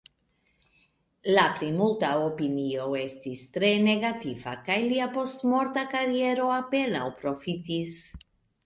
La plimulta opinio estis tre negativa, kaj lia postmorta kariero apenaŭ profitis.